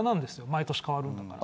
毎年変わるから。